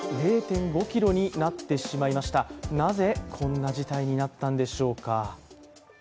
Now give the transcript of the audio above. なぜこんな事態になったんでしょうか。